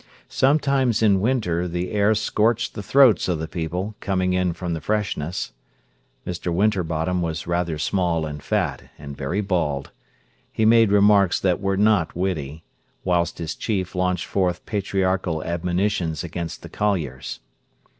Sometimes in winter the air scorched the throats of the people, coming in from the freshness. Mr. Winterbottom was rather small and fat, and very bald. He made remarks that were not witty, whilst his chief launched forth patriarchal admonitions against the colliers.